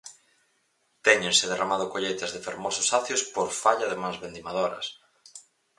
Téñense derramado colleitas de fermosos acios por falla de mans vendimadoras.